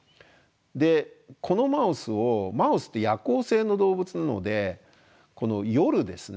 このマウスをマウスって夜行性の動物なので夜ですね